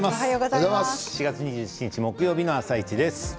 ４月２７日木曜日の「あさイチ」です。